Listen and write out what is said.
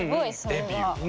デビュー。